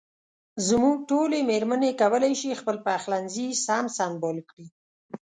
زموږ ټولې مېرمنې کولای شي خپل پخلنځي سم سنبال کړي.